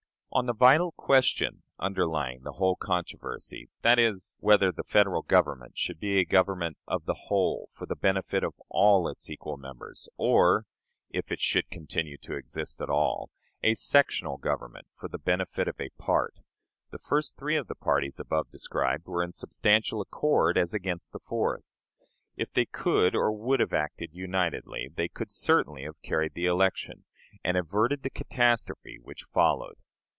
On the vital question underlying the whole controversy that is, whether the Federal Government should be a Government of the whole for the benefit of all its equal members, or (if it should continue to exist at all) a sectional Government for the benefit of a part the first three of the parties above described were in substantial accord as against the fourth. If they could or would have acted unitedly, they, could certainly have carried the election, and averted the catastrophe which followed.